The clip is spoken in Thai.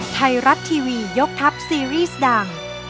ไทยรัฐทีวียกทัพซีรีส์ดัง